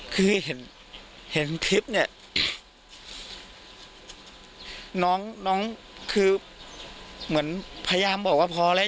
คือเห็นเห็นคลิปเนี่ยน้องน้องคือเหมือนพยายามบอกว่าพอแล้ว